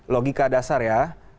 logika dasar ya